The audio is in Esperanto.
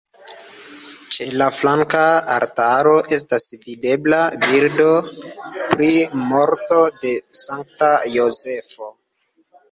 Ĉe la flanka altaro estas videbla bildo pri morto de Sankta Jozefo.